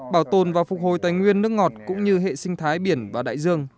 bảo tồn và phục hồi tài nguyên nước ngọt cũng như hệ sinh thái biển và đại dương